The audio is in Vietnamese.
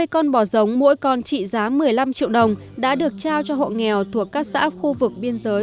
năm mươi con bò giống mỗi con trị giá một mươi năm triệu đồng đã được trao cho hộ nghèo thuộc các xã khu vực biên giới